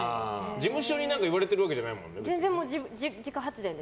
事務所に言われてるわけじゃないよね？